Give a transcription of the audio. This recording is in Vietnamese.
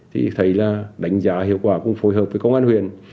thì thấy là đánh giá hiệu quả cũng phù hợp với công an huyện